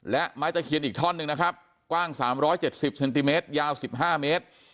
และไม้ตะเคียนอีกท่อนหนึ่งนะครับกว้างสามร้อยเจ็ดสิบเซนติเมตรยาวสิบห้าเมตร